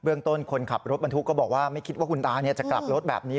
ต้นคนขับรถบรรทุกก็บอกว่าไม่คิดว่าคุณตาจะกลับรถแบบนี้